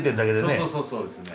そうそうそうそうですね。